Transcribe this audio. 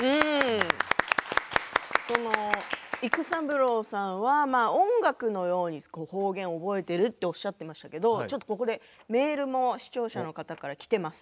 育三郎さんは音楽のように方言を覚えているとおっしゃってましたけどここでメールも視聴者の方からきています。